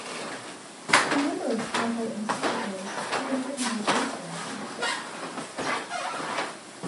A number of papal encyclicals have been written by ghostwriters.